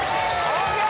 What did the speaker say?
ＯＫ